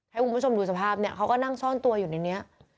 ให้คุณผู้ชมดูสภาพเนี่ยเขาก็นั่งซ่อนตัวอยู่ในนี้